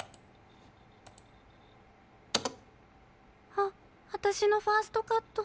あっわたしのファーストカット。